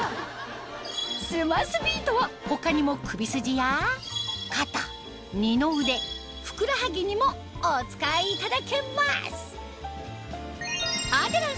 スマスビートは他にも首筋や肩二の腕ふくらはぎにもお使いいただけます